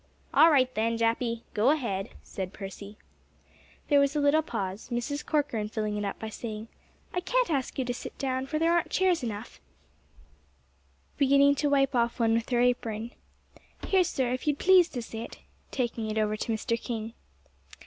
"All right, then, Jappy, go ahead," said Percy. There was a little pause, Mrs. Corcoran filling it up by saying, "I can't ask you to sit down, for there ain't chairs enough," beginning to wipe off one with her apron. "Here, sir, if you'd please to sit," taking it over to Mr. King.